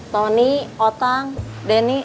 tony otang denny